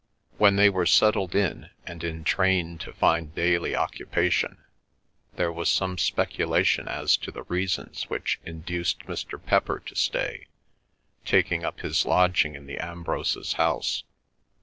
When they were settled in, and in train to find daily occupation, there was some speculation as to the reasons which induced Mr. Pepper to stay, taking up his lodging in the Ambroses' house.